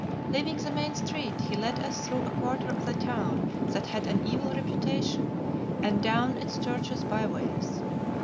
Leaving the main street, he led us through a quarter of the town that had an evil reputation, and down its tortuous by ways.